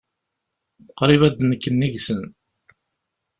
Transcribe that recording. Qṛib ad d-nekk nnig-nsen.